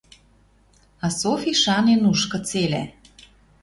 А Софи шанен уж, кыцелӓ